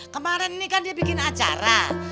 kemarin ini kan dia bikin acara